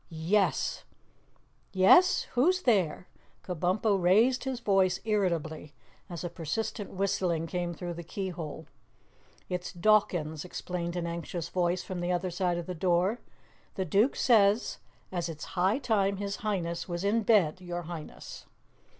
Yes! Yes? Who's there?" Kabumpo raised his voice irritably as a persistent whistling came through the keyhole. "It's Dawkins," explained an anxious voice from the other side of the door. "The Duke says as it's high time His Highness was in bed, Your Highness!"